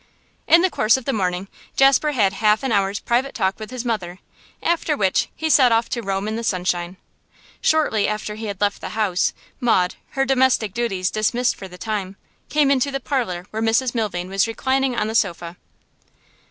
In the course of the morning Jasper had half an hour's private talk with his mother, after which he set off to roam in the sunshine. Shortly after he had left the house, Maud, her domestic duties dismissed for the time, came into the parlour where Mrs Milvain was reclining on the sofa.